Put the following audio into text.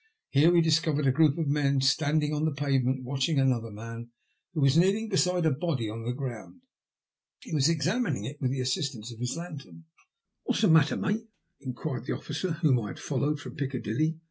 Here we discovered a group of men standing on the pavement watching another man, who was kneeling beside a body upon the ground. He was examining it with the assistance of his lantern. *' What's the matter, mate ?" inquired the officer whom I had followed from Piccadilly.